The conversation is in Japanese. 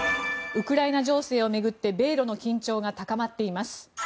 ウクライナ情勢を巡って米ロの緊張が高まっています。